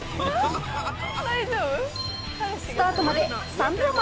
スタートまで３秒前。